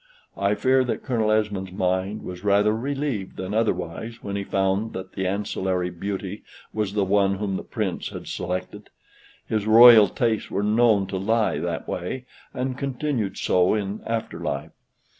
I fear that Colonel Esmond's mind was rather relieved than otherwise when he found that the ancillary beauty was the one whom the Prince had selected. His royal tastes were known to lie that way, and continued so in after life.